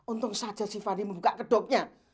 untung saja si fani membuka kedoknya